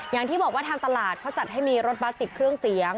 อย่างที่บอกว่าทางตลาดเขาจัดให้มีรถบัสติดเครื่องเสียง